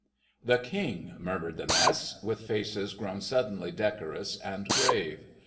"The King!" murmured the Mess, with faces grown suddenly decorous and grave.